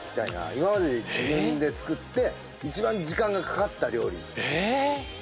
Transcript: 今までで自分で作って一番時間がかかった料理えっ？